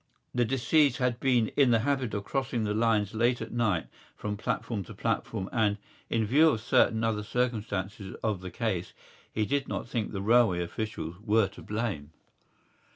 The deceased had been in the habit of crossing the lines late at night from platform to platform and, in view of certain other circumstances of the case, he did not think the railway officials were to blame.